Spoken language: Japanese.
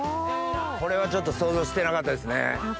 これは想像してなかったですね。